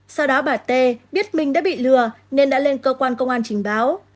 sau đó bà t biết mình đã bị lừa nên đã lên cơ quan công an trình báo